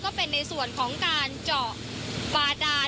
ก็เป็นในส่วนของการเจาะบาดาน